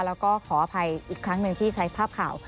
แล้วก็ขออภัยอีกครั้งหนึ่งที่ใช้ภาพข่าว